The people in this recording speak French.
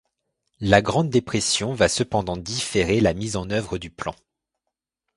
La Grande Dépression va cependant différer la mise en œuvre du plan.